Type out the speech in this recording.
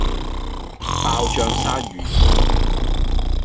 爆醬鯊魚丸